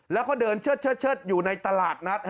แล้วก็เดินเชิดอยู่ในตลาดนัด